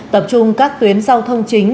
tập trung các tuyến giao thông chính